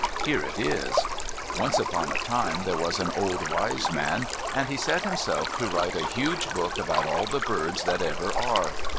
Here it is: Once upon a time there was an old wise man, and he set himself to write a huge book about all the birds that ever are.